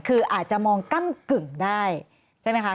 คืออาจจะมองก้ำกึ่งได้ใช่ไหมคะ